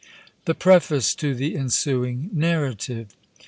THE PREFACE TO THE ENSUING NARRATIVE.